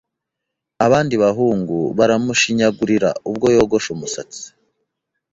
Abandi bahungu baramushinyagurira ubwo yogosha umusatsi.